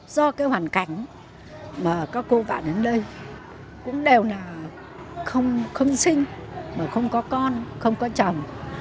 do cái hoàn cảnh mà các cô bạn đến đây cũng đều là không sinh mà không có con không có chồng